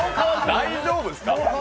大丈夫ですか？